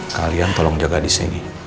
kalian tolong jaga disini